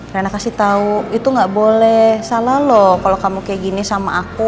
rena kasih tahu itu gak boleh salah loh kalau kamu kayak gini sama aku